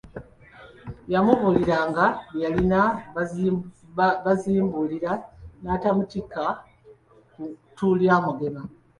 Yamubuuliranga bwe yalina Bazibumbira tannamutikka ttu lya Mugema?